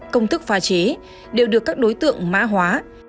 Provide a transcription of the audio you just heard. công thức pha chế đều được các đối tượng mã hóa